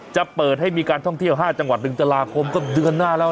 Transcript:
จะเปิดให้มีการท่องเที่ยว๕จังหวัด๑ตุลาคมก็เดือนหน้าแล้ว